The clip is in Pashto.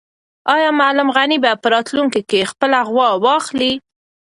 آیا معلم غني به په راتلونکي کې خپله غوا واخلي؟